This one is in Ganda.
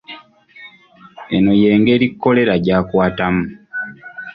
Eno y'engeri Kkolera gy'akwatamu.